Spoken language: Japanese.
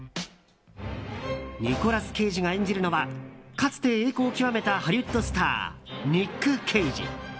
ニコラス・ケイジが演じるのはかつて栄光を極めたハリウッドスターニック・ケイジ。